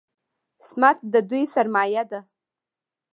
سمت د دوی سرمایه ده.